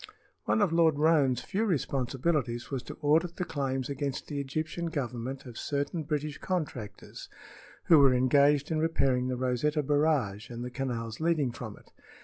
One of Lord Roane's few responsibilities was to audit the claims against the Egyptian Government of certain British contractors who were engaged in repairing the Rosetta Barrage and the canals leading from it.